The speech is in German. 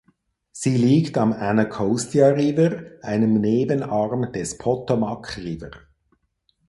Sie liegt am Anacostia River, einem Nebenarm des Potomac River.